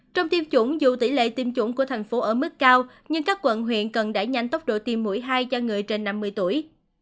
trong tiêm chủng dù tỷ lệ tiêm chủng của thành phố ở mức cao nhưng các quận huyện cần đẩy nhanh tốc độ tiêm mũi hai cho người trên năm mươi tuổi